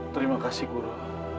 terima kasih guru